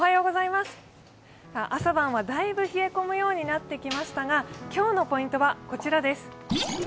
朝晩はだいぶ冷え込むようになってきましたが、今日のポイントはこちらです。